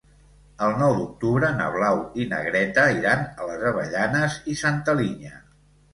El nou d'octubre na Blau i na Greta iran a les Avellanes i Santa Linya.